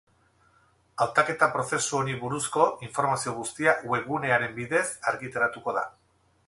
Hautaketa-prozesu honi buruzko informazio guztia webgunearen bidez argitaratuko da.